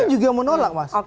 kita juga mau nolak mas